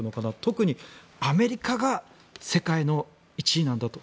特にアメリカが世界の１位なんだと。